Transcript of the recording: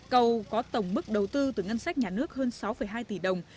cầu có tổng mức đầu tư từ ngân sách nhà nước hơn sáu hai tỷ đồng